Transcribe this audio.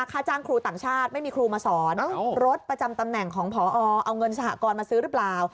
ค่าจ้างครูต่างชาติไม่มีครูมาสอนรถประจำตำแหน่งของพอเอาเงินสหกรณ์มาซื้อหรือเปล่า